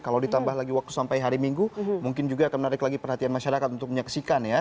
kalau ditambah lagi waktu sampai hari minggu mungkin juga akan menarik lagi perhatian masyarakat untuk menyaksikan ya